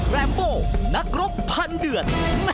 แรมโบนักรบพันเดือด